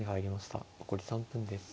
残り３分です。